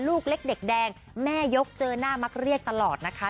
ลูกเล็กเด็กแดงแม่ยกเจอหน้ามักเรียกตลอดนะคะ